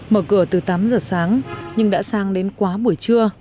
mở cửa từ tám giờ sáng nhưng đã sang đến quá buổi trưa